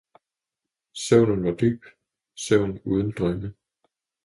Søvnen var dyb, søvn uden drømme.